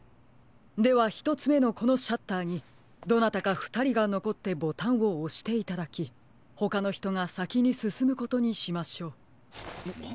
ではひとつめのこのシャッターにどなたかふたりがのこってボタンをおしていただきほかのひとがさきにすすむことにしましょう。